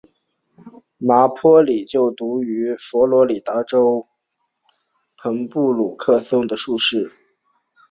拿坡里就读于佛罗里达州朋布鲁克松树市。